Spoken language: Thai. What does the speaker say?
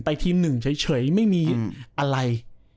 ทีมหนึ่งเฉยไม่มีอะไร